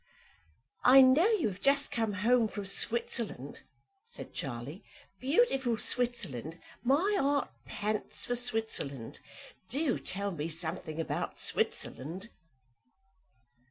"I know you have just come home from Switzerland," said Charlie. "Beautiful Switzerland! My heart pants for Switzerland. Do tell me something about Switzerland!"